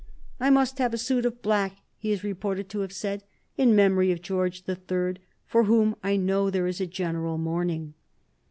"I must have a suit of black," he is reported to have said, "in memory of George the Third, for whom I know there is a general mourning."